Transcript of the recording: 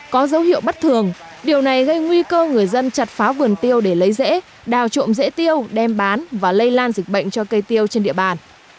có dấu hiệu bất thường điều này gây nguy cơ người dân chặt phá vườn tiêu để lấy rễ đào trộm rễ tiêu đem bán và lây lan dịch bệnh cho cây tiêu trên địa bàn